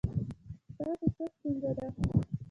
ستاسو څه ستونزه ده؟